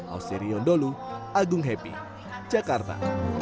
ausirion dholu agung happy jakarta